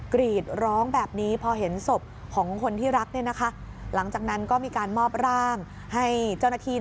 กรีดร้องแบบนี้พอเห็นศพของคนที่รักหลังจากนั้นก็มีการมอบร่างให้เจ้าหน้าที่